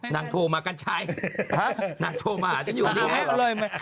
นางโทรมากันใช่นางโทรมากันอยู่นี่แหละ